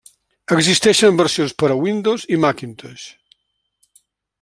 Existeixen versions per a Windows i Macintosh.